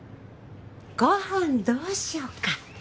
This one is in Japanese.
ご飯どうしようか？